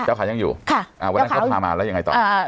ขายังอยู่วันนั้นเขาพามาแล้วยังไงต่อ